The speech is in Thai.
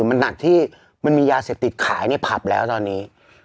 มันหนักที่มันมียาเสพติดขายในผับแล้วตอนนี้